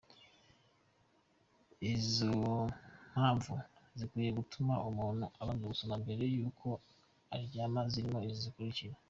Izo mpamvu zikwiye gutuma umuntu abanza gusoma mbere y’uko aryama zirimo izi zikurikira:.